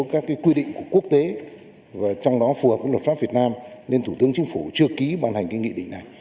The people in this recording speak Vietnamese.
các quy định của quốc tế và trong đó phù hợp với luật pháp việt nam nên thủ tướng chính phủ chưa ký bàn hành cái nghị định này